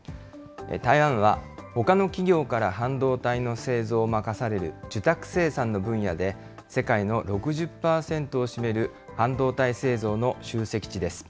台湾はほかの企業から半導体の製造を任される受託生産の分野で、世界の６０％を占める半導体製造の集積地です。